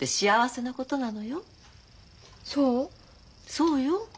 そうよ。